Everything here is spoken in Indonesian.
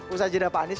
usaha jendela pak anies